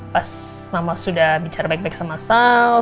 pas mama sudah bicara baik baik sama sale